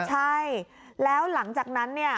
ใช่แล้วหลังจากนั้นเนี่ย